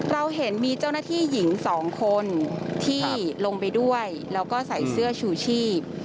เราเห็นมีเจ้าหน้าที่หญิงสองคนที่ลงไปด้วยแล้วก็ใส่เสื้อชูชีพ